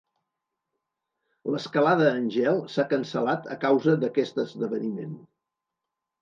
L'escalada en gel s'ha cancel·lat a causa d'aquest esdeveniment.